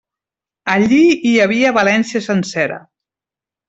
Allí hi havia València sencera.